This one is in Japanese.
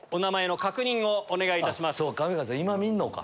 今見るのか。